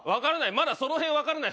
まだその辺わからない。